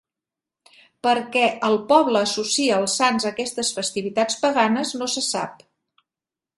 Per què el poble associa els sants a aquestes festivitats paganes no se sap.